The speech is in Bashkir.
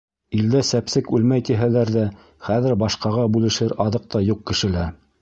Илдә сәпсек үлмәй тиһәләр ҙә, хәҙер башҡаға бүлешер аҙыҡ та юҡ кешелә.